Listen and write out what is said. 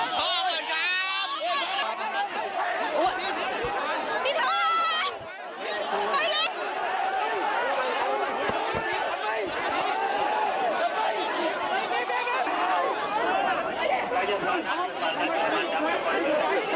นี่แหละค่ะคุณผู้ชมต่อมาค่ะคุณผู้ชมครับ